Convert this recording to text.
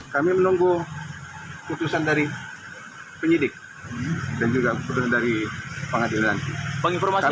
kami menunggu putusan dari penyidik dan juga keputusan dari pengadilan